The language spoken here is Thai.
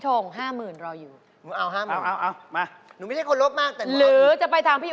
จับได้แล้วนะเมื่อกี้นี่